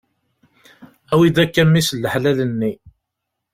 Awi-d akka mmi-s n laḥlal-nni.